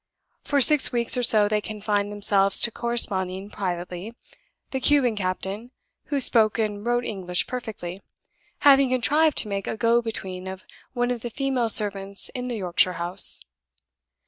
For six weeks or so they confined themselves to corresponding privately, the Cuban captain (who spoke and wrote English perfectly) having contrived to make a go between of one of the female servants in the Yorkshire house.